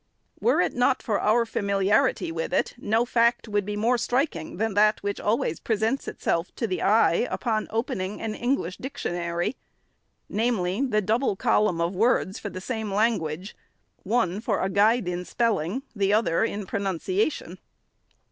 Were it not for our familiarity with it, no fact would be more striking than that which always presents itself to the eye, upon opening an English dictionary ; viz., the double column of words for the same language, — one for a guide in spelling, the other, in pronunciation.